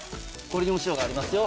これにも塩がありますよ。